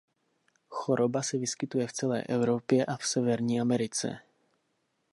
Choroba se vyskytuje v celé Evropě a v Severní Americe.